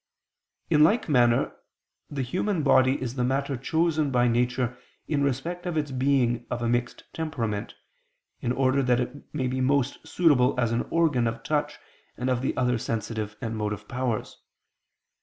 In like manner the human body is the matter chosen by nature in respect of its being of a mixed temperament, in order that it may be most suitable as an organ of touch and of the other sensitive and motive powers.